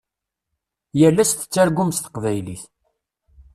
Yal ass tettargum s teqbaylit.